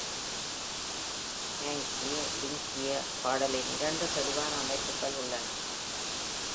Pange lingua பாடலின் இரண்டு தெளிவான அமைப்புகள் உள்ளன.